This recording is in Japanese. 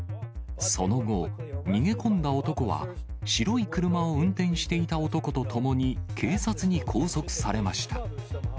その後、逃げ込んだ男は、白い車を運転していた男と共に、警察に拘束されました。